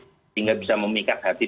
sehingga bisa memikat hati